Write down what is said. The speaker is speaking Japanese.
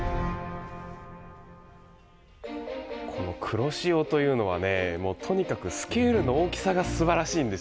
この黒潮というのはねもうとにかくスケールの大きさがすばらしいんですよね。